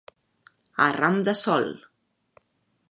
A ram de sol.